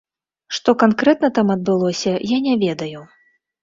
Што канкрэтна там адбылося, я не ведаю.